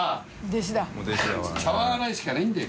弟子だ。